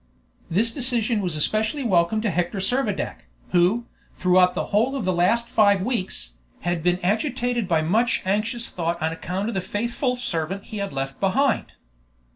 This decision was especially welcome to Hector Servadac, who, throughout the whole of the last five weeks, had been agitated by much anxious thought on account of the faithful servant he had left behind.